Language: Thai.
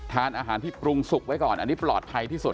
ทานอาหารที่ปรุงสุกไว้ก่อนอันนี้ปลอดภัยที่สุด